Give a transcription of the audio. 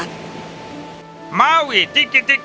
mereka melihat perahu maui dan saudara saudaranya lainnya